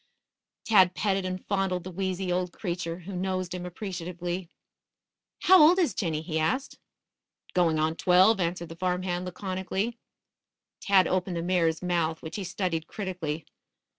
Tad petted and fondled the wheezy old creature, who nosed him appreciatively. "How old is Jinny?" he asked. "Going on twelve," answered the farm hand laconically. Tad opened the mare's mouth, which he studied critically.